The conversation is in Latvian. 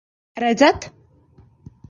Redzat?